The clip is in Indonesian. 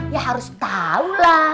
ya harus tahu lah